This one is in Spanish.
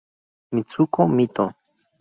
Mitsuko Mito